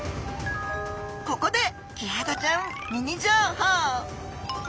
ここでキハダちゃんミニ情報！